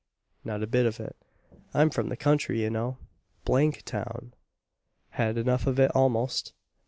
not a bit of it. I'm from the country, you know. D n town! Had enough of it almost.